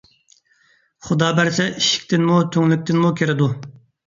خۇدا بەرسە ئىشىكتىنمۇ، تۈڭلۈكتىنمۇ كىرىدۇ